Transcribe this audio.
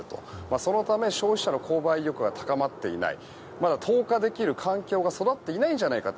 そのため、消費者の購買意欲が高まっていないまだ投下できる環境が育っていないんじゃないかと。